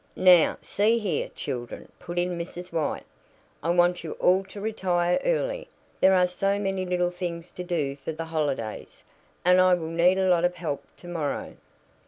"Now, see here, children," put in Mrs. White, "I want you all to retire early. There are so many little things to do for the holidays, and I will need a lot of help to morrow."